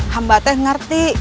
hamba teh ngerti